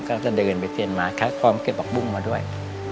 ก็จะเดินไปเซ็นม้าค่ะคล้อมเก็บหักปว้งมาด้วย